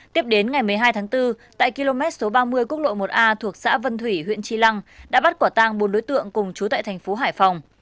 tiếp đến ngày một mươi hai tháng bốn tại km số ba mươi quốc lộ một a thuộc xã vân thủy huyện tri lăng đã bắt quả tang bốn đối tượng cùng chú tại thành phố hải phòng